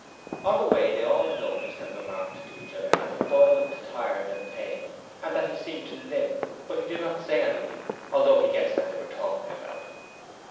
On the way they all noticed and remarked to each other that the boy looked tired and pale and that he seemed to limp: but he did not say anything, although he guessed that they were talking about him.